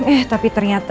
eh tapi ternyata